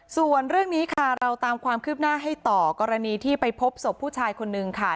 ส่วนเรื่องนี้ค่ะเราตามความคืบหน้าให้ต่อกรณีที่ไปพบศพผู้ชายคนนึงค่ะ